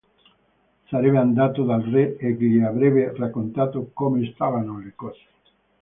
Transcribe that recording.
Sarebbe andato dal re, e gli avrebbe raccontato come stavano le cose.